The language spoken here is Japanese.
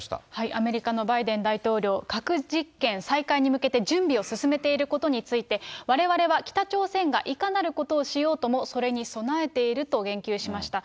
アメリカのバイデン大統領、核実験再開に向けて準備を進めていることについて、われわれは北朝鮮がいかなることをしようとも、それに備えていると言及しました。